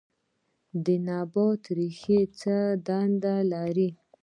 د نبات ریښې څه دنده لري